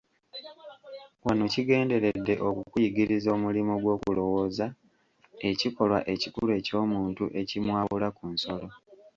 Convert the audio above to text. Wano kigenderedde okukuyigiriza omulimo gw'okulowooza, ekikolwa ekikulu eky'omuntu, ekimwawula ku nsolo.